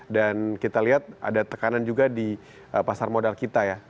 dan kita lihat ada tekanan juga di pasar modal kita ya